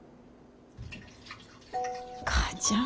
母ちゃん。